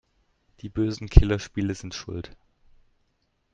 Die bösen Killerspiele sind schuld!